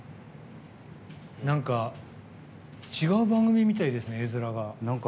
なんか違う番組みたいですね、絵づらが。